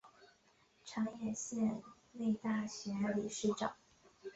长野县立大学理事长。